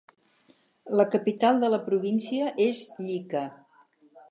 La capital de la província és Llica.